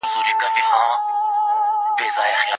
غونډي چېرته تر سره کیږي؟